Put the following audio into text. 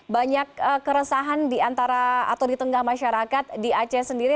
banyak keresahan di antara atau di tengah masyarakat di aceh sendiri